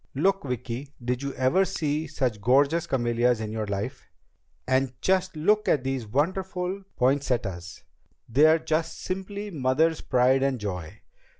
"Look, Vicki. Did you ever see such gorgeous camellias in your life? And just look at these wonderful poinsettias. They're just simply Mother's pride and joy!